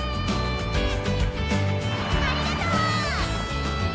ありがとう！